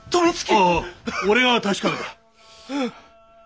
ああ俺が確かめた。